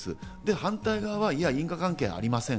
反対側は因果関係はありません。